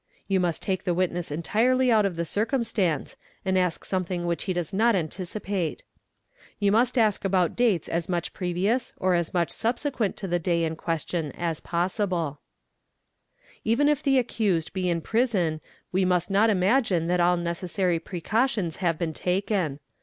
You must take th witness entirely out of the circumstance and ask something which he doe not anticipate. You must ask about dates as much previous or as m1 subsequent to the day in question as possible. THE LYING WITNESS 101 Even if the accused be in prison we must not imagine that all neces sary precautions have been taken.